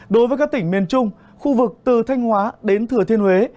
đối với các tỉnh miền trung khu vực từ thanh hóa đến thừa thiên huế